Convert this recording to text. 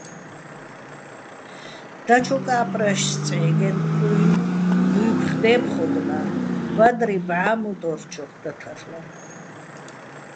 დაჩო კა́პრაშ-წე́გეჼ-კუიჼ დუ́ფხო̆ დე́ფხოდო̆ მა́, ბადრი ბჵა მუტო́რჩოხ და თარლ'ენო̆.